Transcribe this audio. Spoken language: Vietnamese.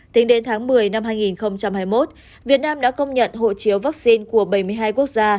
tính đến tháng một mươi năm hai nghìn hai mươi một việt nam đã công nhận hộ chiếu vaccine của bảy mươi hai quốc gia